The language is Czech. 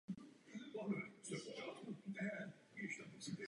Album obsahuje pouze instrumentální skladby.